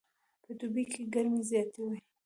په دوبي کې ګرمي زیاته وي